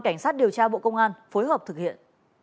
các điều tra bộ công an phối hợp thực hiện